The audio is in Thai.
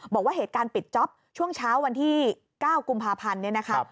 บอกว่าเหตุการณ์ปิดจ๊อปช่วงเช้าวันที่๙กุมภาพันธ์เนี่ยนะคะ